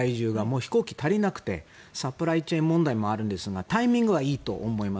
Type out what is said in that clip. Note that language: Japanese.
飛行機足りなくてサプライチェーン問題もありますがタイミングはいいと思います。